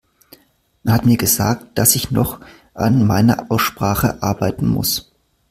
Man hat mir gesagt, dass ich noch an meiner Aussprache arbeiten muss.